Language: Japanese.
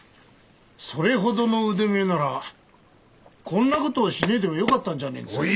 それほどの腕前ならこんな事をしねえでもよかったんじゃねえんですかい？